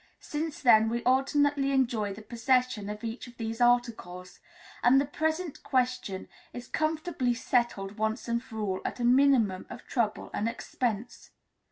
Since then we alternately enjoy the possession of each of these articles, and the present question is comfortably settled once and for all, at a minimum of trouble and expense.